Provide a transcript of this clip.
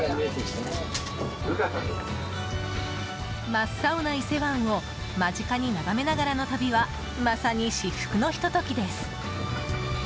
真っ青な伊勢湾を間近に眺めながらの旅はまさに至福のひと時です。